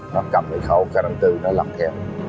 nó cầm cái khẩu carantê nó lặn theo